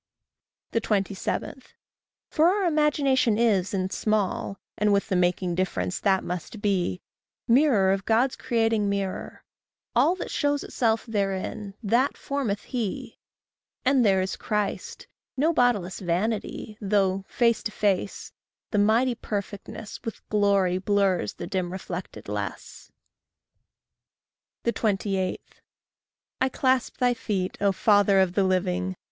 27. For out imagination is, in small, And with the making difference that must be, Mirror of God's creating mirror; all That shows itself therein, that formeth he, And there is Christ, no bodiless vanity, Though, face to face, the mighty perfectness With glory blurs the dim reflected less. 28. I clasp thy feet, O father of the living!